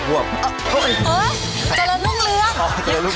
เฮ้ยเอ๊ะเจริญรุ่งเรือง